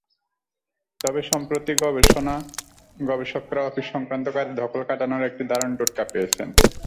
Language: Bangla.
তবে সম্প্রতি গবেষকেরা অফিস-সংক্রান্ত কাজে ধকল কাটানোর একটি দারুণ টোটকা পেয়েছেন।